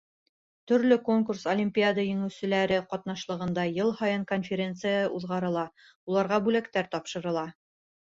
Төрлө конкурс, олимпиада еңеүселәре ҡатнашлығында йыл һайын конференция уҙғарыла, уларға бүләктәр тапшырыла.